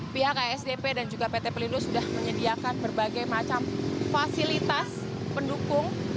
pihak asdp dan juga pt pelindo sudah menyediakan berbagai macam fasilitas pendukung